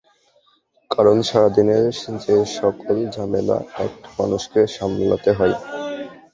কারন, সারাদিনের যে সকল ঝামেলা একটা মানুষকে সামলাতে হয়।